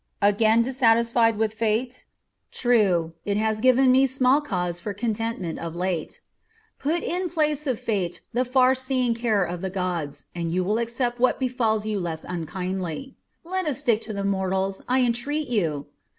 "Again dissatisfied with Fate?" "True, it has given me small cause for contentment of late." "Put in place of Fate the far seeing care of the gods, and you will accept what befalls you less unkindly." "Let us stick to us mortals, I entreat you."